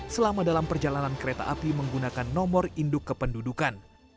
selama dalam perjalanan kereta api menggunakan nomor induk kependudukan